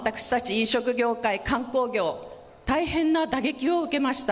飲食業界、観光業、大変な打撃を受けました。